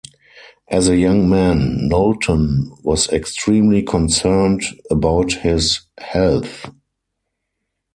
As a young man, Knowlton was extremely concerned about his health.